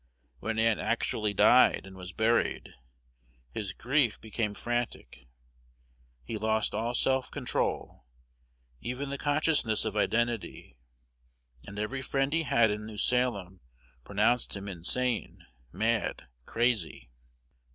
When Ann actually died, and was buried, his grief became frantic: he lost all self control, even the consciousness of identity, and every friend he had in New Salem pronounced him insane, mad, crazy.